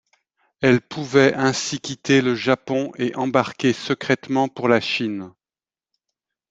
Elle pouvait ainsi quitter le Japon et embarquer secrètement pour la Chine.